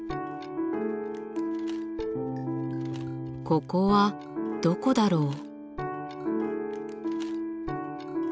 ここはどこだろう？